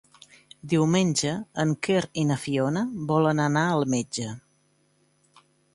Diumenge en Quer i na Fiona volen anar al metge.